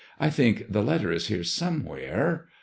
I think the letter is here somewhere.